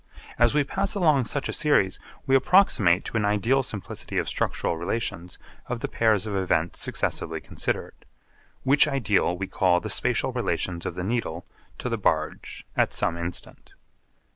As we pass along such a series we approximate to an ideal simplicity of structural relations of the pairs of events successively considered, which ideal we call the spatial relations of the Needle to the barge at some instant.